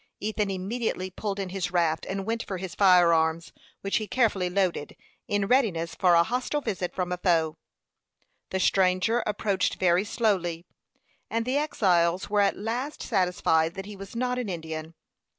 Ethan immediately pulled in his raft, and went for his fire arms, which he carefully loaded, in readiness for a hostile visit from a foe. The stranger approached very slowly, and the exiles were at last satisfied that he was not an Indian.